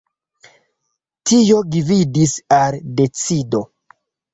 Tio gvidis al decido.